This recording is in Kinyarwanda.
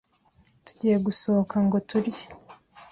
Tugiye gusohoka ngo turye.